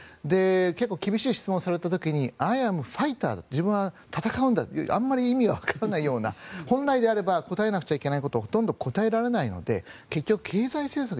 結構厳しい質問をされた時にアイ・アム・ファイター自分は戦うんだとあまり意味がわからないような本来であれば答えなくちゃいけないことにほとんど答えられないので結局、経済政策